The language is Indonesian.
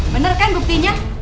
bener kan buktinya